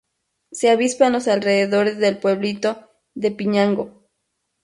Se avista en los alrededores del pueblito de Piñango.